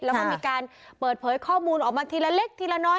แล้วก็มีการเปิดเผยข้อมูลออกมาทีละเล็กทีละน้อย